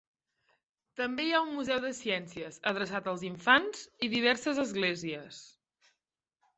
També hi ha un Museu de Ciències adreçat als infants i diverses esglésies.